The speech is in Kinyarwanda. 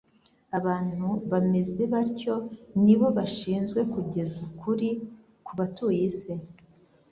Abantu bameze batyo, ni bo bashinzwe kugeza ukuri ku batuye isi.